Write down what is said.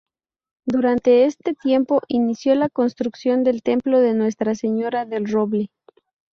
Durante este tiempo inició la construcción del templo de Nuestra Señora del Roble.